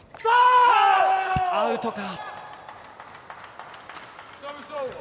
アウトか？